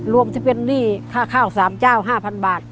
รวมที่เป็นหนี้ค่าข้าวสามเจ้าห้าพันบาท